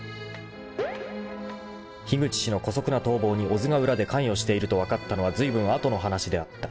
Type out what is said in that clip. ［樋口氏の姑息な逃亡に小津が裏で関与していると分かったのはずいぶん後の話であった］